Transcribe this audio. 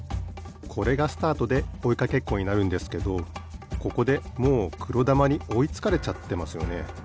これがスタートでおいかけっこになるんですけどここでもうくろだまにおいつかれちゃってますよね。